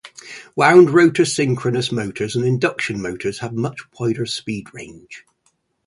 Wound-rotor synchronous motors and induction motors have much wider speed range.